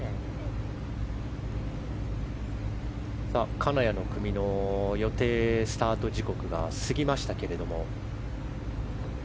金谷の組の予定スタート時刻が過ぎましたけれども。